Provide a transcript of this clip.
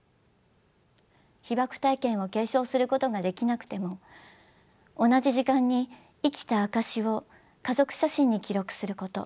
被爆体験を継承することができなくても同じ時間に生きた証しを家族写真に記録すること。